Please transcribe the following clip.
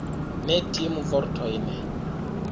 Ne timu vortojn.